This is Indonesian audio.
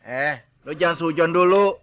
eh lo jangan sehujon dulu